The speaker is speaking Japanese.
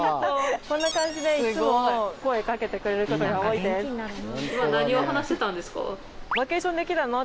こんな感じでいっつも声掛けてくれることが多いです。